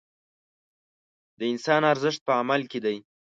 د انسان ارزښت په عمل کې دی.